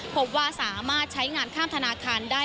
พบว่าสามารถใช้งานข้ามธนาคารได้